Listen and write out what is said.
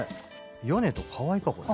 ヨネと河合かこれ。